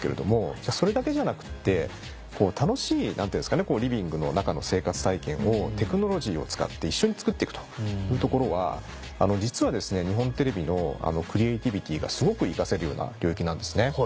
じゃあそれだけじゃなくって楽しいリビングの中の生活体験をテクノロジーを使って一緒に作っていくというところは実はですね日本テレビのクリエーティビティーがすごく生かせるような領域なんですね。